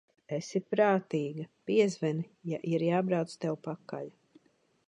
Esi prātīga, piezvani, ja ir jābrauc tev pakaļ.